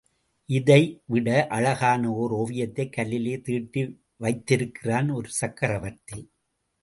இதைவிட அழகான ஓர் ஓவியத்தைக் கல்லிலே தீட்டி வைத்திருக்கிறான் ஒரு சக்கரவர்த்தி.